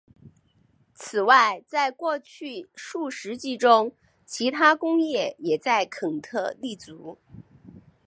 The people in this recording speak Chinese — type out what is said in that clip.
此外在过去数世纪中其它工业也在肯特立足。